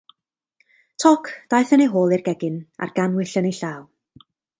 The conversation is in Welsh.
Toc, daeth yn ei hôl i'r gegin, a'r gannwyll yn ei llaw.